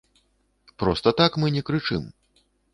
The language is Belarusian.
Проста так мы не крычым.